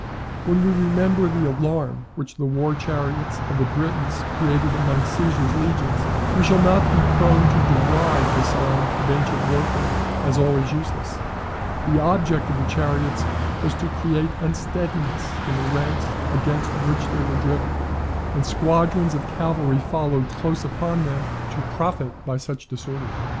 When we remember the alarm which the war chariots of the Britons created among Caesar's legions, we shall not be prone to deride this arm of ancient warfare as always useless. The object of the chariots was to create unsteadiness in the ranks against which they were driven, and squadrons of cavalry followed close upon them, to profit by such disorder.